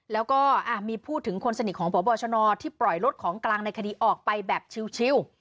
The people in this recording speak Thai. แล้วก็มีพูดถึงคนสนิทของพบชนที่ปล่อยรถของกลางในคดีออกไปแบบชิล